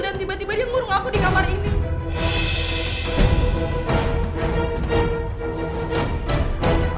dan tiba tiba dia ngurung aku di kamar ini